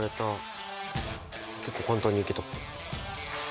結構簡単にいけた。